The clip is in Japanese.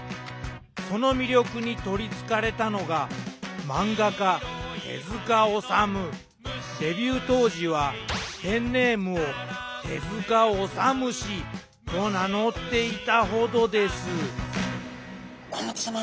その魅力に取りつかれたのが漫画家デビュー当時はペンネームを手治虫と名乗っていたほどです甲本さま